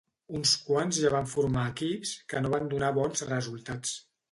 Uns quants ja van formar equips que no van donar bons resultats.